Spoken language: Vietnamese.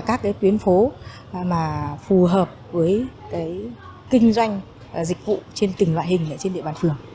các tuyến phố phù hợp với kinh doanh dịch vụ trên tình loại hình trên địa bàn phường